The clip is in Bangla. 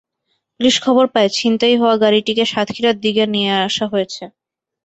পুলিশ খবর পায়, ছিনতাই হওয়া গাড়িটিকে সাতক্ষীরার দিকে নিয়ে আসা হয়েছে।